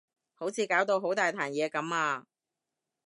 好似搞到好大壇嘢噉啊